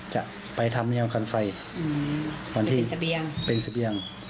จะไปทำแนวกันไฟเป็นเสบียง